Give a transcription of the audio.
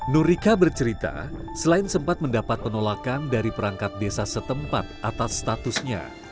nurika bercerita selain sempat mendapat penolakan dari perangkat desa setempat atas statusnya